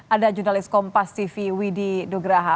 ada jurnalis kompas tv widhi dugraha